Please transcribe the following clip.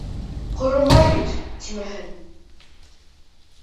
Ҡоро май бит, тимәһен.